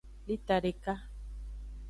Lita deka.